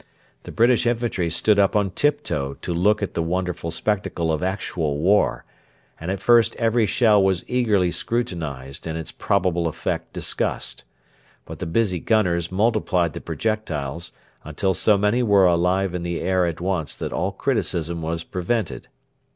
The British infantry stood up on tip toe to look at the wonderful spectacle of actual war, and at first every shell was eagerly scrutinised and its probable effect discussed. But the busy gunners multiplied the projectiles until so many were alive in the air at once that all criticism was prevented.